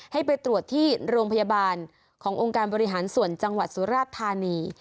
ให้ไปตรวจที่โรงพยาบาลขององค์การบริหารส่วนจังหวัดสุราชธานี